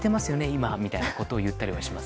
今みたいなことを言ったりします。